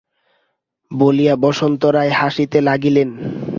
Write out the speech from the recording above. বলিয়া বসন্ত রায় হাসিতে লাগিলেন।